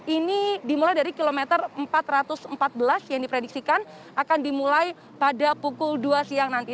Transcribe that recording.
ini dimulai dari kilometer empat ratus empat belas yang diprediksikan akan dimulai pada pukul dua siang nanti